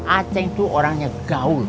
aceh itu orangnya gaul